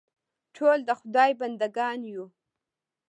ټول د خدای بنده ګان یو.